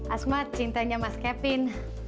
asma cintanya mas kevin